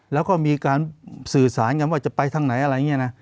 แล้วก็มีการสื่อสารกันว่าจะไปทางไหน